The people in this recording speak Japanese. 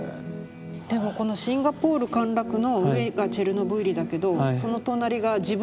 でもこの「シンガポール陥落」の上がチェルノブイリだけどその隣が「自分に正直な着こなし」とかね。